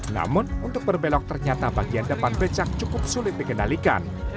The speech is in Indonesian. namun untuk berbelok ternyata bagian depan becak cukup sulit dikendalikan